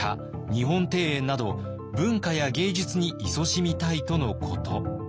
日本庭園など文化や芸術にいそしみたいとのこと。